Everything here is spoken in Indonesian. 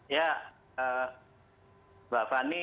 ya pak fani